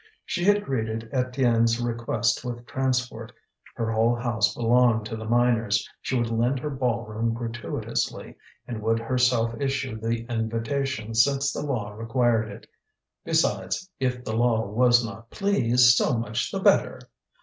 She had greeted Étienne's request with transport; her whole house belonged to the miners, she would lend her ball room gratuitously, and would herself issue the invitations since the law required it. Besides, if the law was not pleased, so much the better!